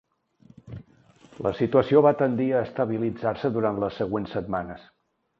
La situació va tendir a estabilitzar-se durant les següents setmanes.